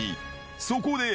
そこで。